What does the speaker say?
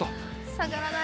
下がらない。